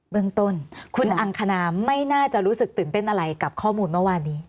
เรื่องต้นคุณอังคณาไม่น่าจะรู้สึกตื่นเต้นอะไรกับข้อมูลเมื่อวานนี้